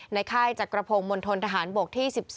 ค่ายจักรพงศ์มณฑนทหารบกที่๑๒